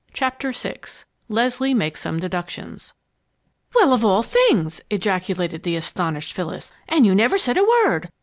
CHAPTER VI LESLIE MAKES SOME DEDUCTIONS "Well, of all things!" ejaculated the astonished Phyllis. "And you never said a word!